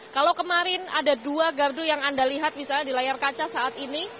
kalau kemarin ada dua gardu yang anda lihat misalnya di layar kaca saat ini